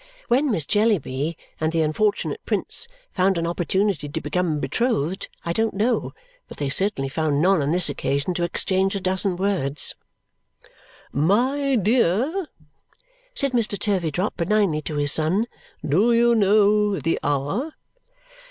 When Miss Jellyby and the unfortunate Prince found an opportunity to become betrothed I don't know, but they certainly found none on this occasion to exchange a dozen words. "My dear," said Mr. Turveydrop benignly to his son, "do you know the hour?"